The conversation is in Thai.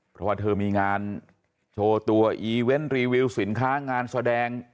เพราะว่าเธอมีงานโชว์ตัวอีเวนต์รีวิวสินค้างานแสดง